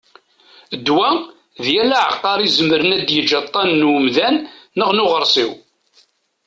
Ddwa: "d yal aɛeqqar izemren ad yejji aṭṭan n umdan neɣ n uɣersiw"